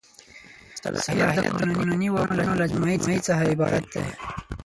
صلاحیت د قانوني واکونو له مجموعې څخه عبارت دی.